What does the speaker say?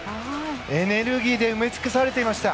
エネルギーで埋め尽くされていました。